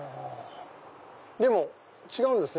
でも違うんですね